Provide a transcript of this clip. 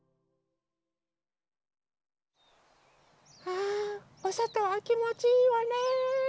あおそとはきもちいいわね。